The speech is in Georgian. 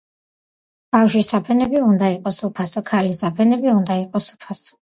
ბავშვის საფენები უნდა იყოს უფასო. ქალის საფენები უნდა იყოს უფასო.